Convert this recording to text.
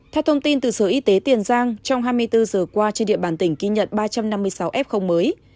theo thông tin từ sở y tế tiền giang trong hai mươi bốn giờ qua trên địa bàn tỉnh ghi nhận ba trăm năm mươi sáu f mới